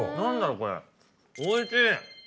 これおいしい！